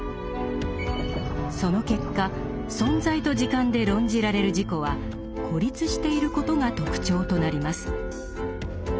その結果「存在と時間」で論じられる「自己」は孤立していることが特徴となります。